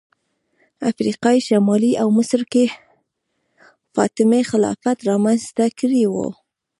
افریقا شمال او مصر کې فاطمي خلافت رامنځته کړی و